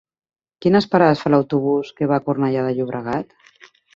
Quines parades fa l'autobús que va a Cornellà de Llobregat?